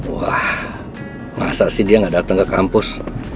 wah masa sih dia gak dateng ke kampus